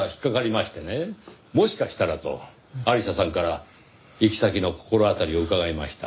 もしかしたらと亜里沙さんから行き先の心当たりを伺いました。